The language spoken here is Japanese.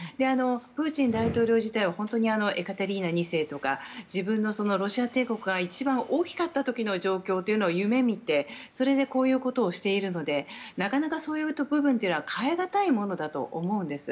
プーチン大統領自体はエカテリーナ２世とかロシア帝国が一番大きかった時の状況を夢見て、それでこういうことをしているのでなかなかそういうところは変えがたいものだと思うんです。